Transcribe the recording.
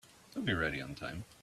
He'll be ready on time.